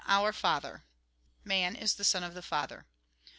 Our Father, Man is the son of the Father.